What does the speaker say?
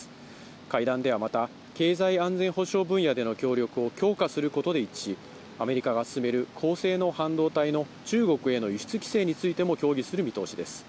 会談ではまた、経済安全保障分野での協力を強化することで一致し、アメリカが進める高性能半導体の中国への輸出規制についても協議する見通しです。